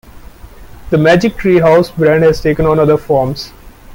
The Magic Tree House brand has taken on other forms.